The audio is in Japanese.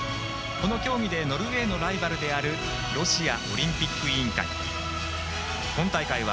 この競技でノルウェーのライバルであるロシアオリンピック委員会。